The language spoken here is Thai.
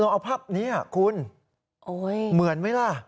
เอาภาพนี้คุณเหมือนไหมล่ะ